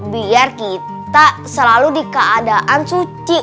biar kita selalu di keadaan suci